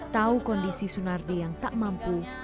tahu kondisi sunardi yang tak mampu